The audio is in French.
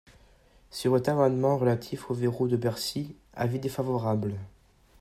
Sur votre amendement, relatif au verrou de Bercy, avis défavorable.